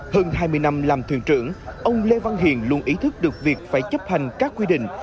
hơn hai mươi năm làm thuyền trưởng ông lê văn hiền luôn ý thức được việc phải chấp hành các quy định